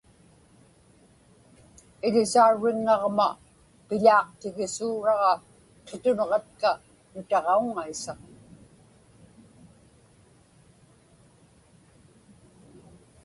Iḷisaurriŋŋaġma piḷaaqtigisuuraġa qitunġatka nutaġauŋŋaisa.